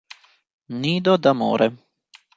Nido d'amore